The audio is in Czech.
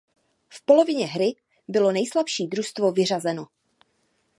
V polovině hry bylo nejslabší družstvo vyřazeno.